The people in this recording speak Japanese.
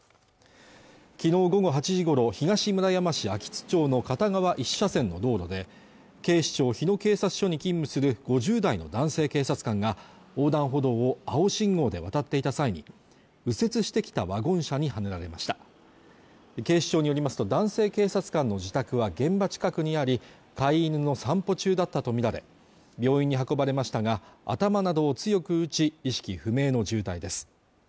昨日午後８時ごろ東村山市秋津町の片側１車線の道路で警視庁日野警察署に勤務する５０代の男性警察官が横断歩道を青信号で渡っていた際に右折してきたワゴン車にはねられました警視庁によりますと男性警察官の自宅は現場近くにあり飼い犬の散歩中だったと見られ病院に運ばれましたが頭などを強く打ち意識不明の重体です